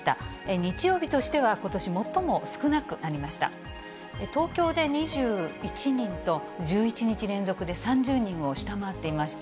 日曜日としてはことし最も少なくなりました。